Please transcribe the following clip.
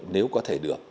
nếu có thể được